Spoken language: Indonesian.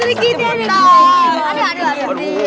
aduh aduh aduh aduh